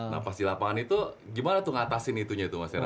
nah pas di lapangan itu gimana tuh ngatasin itunya tuh mas herato